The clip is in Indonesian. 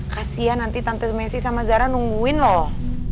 kasian nanti tante messi sama zara nungguin loh